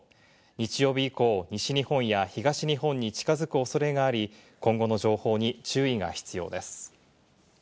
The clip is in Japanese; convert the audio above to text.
日曜日以降、西日本や東日本に近づく恐れがあり、今後の情報に注意が必要です。